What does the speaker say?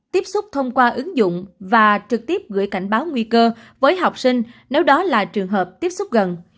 tiếp xúc thông qua ứng dụng và trực tiếp gửi cảnh báo nguy cơ với học sinh nếu đó là trường hợp tiếp xúc gần